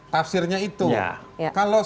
tafsirnya itu kalau